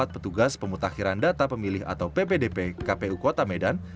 empat dua ratus sembilan puluh empat petugas pemutakhiran data pemilih atau ppdp kpu kota medan